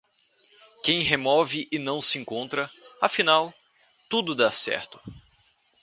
Quem remove e não se encontra, afinal, tudo dá certo.